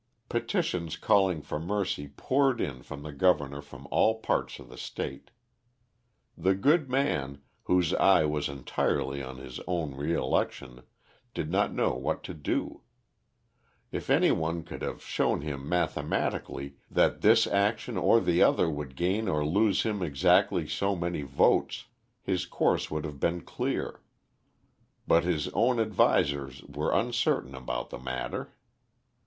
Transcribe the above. Petitions calling for mercy poured in on the governor from all parts of the State. The good man, whose eye was entirely on his own re election, did not know what to do. If any one could have shown him mathematically that this action or the other would gain or lose him exactly so many votes, his course would have been clear, but his own advisers were uncertain about the matter.